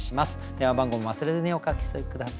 電話番号も忘れずにお書き添え下さい。